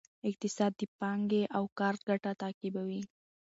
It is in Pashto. اقتصاد د پانګې او کار ګټه تعقیبوي.